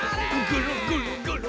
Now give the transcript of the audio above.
ぐるぐるぐる。